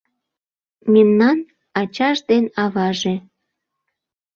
Мемнан ачаж ден аваже